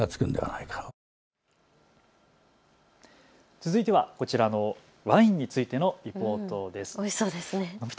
続いてはこちらのワインについてのリポートです。